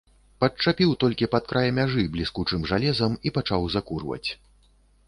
Падчапіў толькі пад край мяжы бліскучым жалезам і пачаў закурваць.